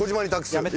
やめて。